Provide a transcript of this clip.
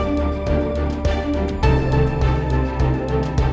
sepakat untuk uang mandi undi